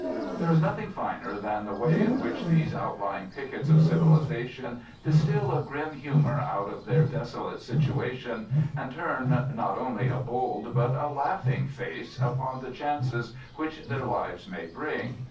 There is nothing finer than the way in which these outlying pickets of civilization distil a grim humour out of their desolate situation, and turn not only a bold, but a laughing face upon the chances which their lives may bring.